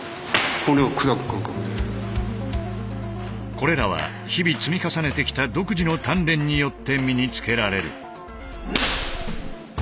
これらは日々積み重ねてきた独自の鍛錬によって身につけられる。